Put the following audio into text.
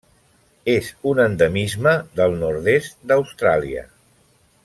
És un endemisme del nord-est d'Austràlia.